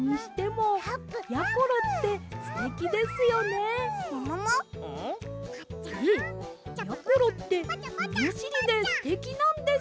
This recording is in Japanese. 「ええやころってものしりですてきなんです」。